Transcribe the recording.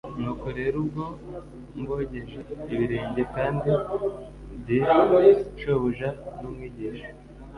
Nuko rero ubwo mbogeje ibirenge, kandi ndi Shobuja n'Umwigisha,